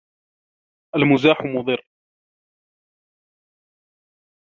الْمَزَّاحُ مُضِرٌّ.